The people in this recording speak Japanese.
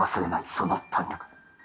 その胆力